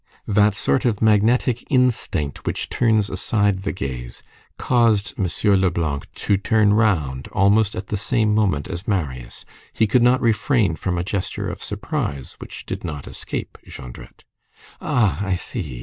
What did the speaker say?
That sort of magnetic instinct which turns aside the gaze, caused M. Leblanc to turn round almost at the same moment as Marius. He could not refrain from a gesture of surprise which did not escape Jondrette. "Ah! I see!"